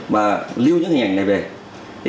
và lưu những hình ảnh này về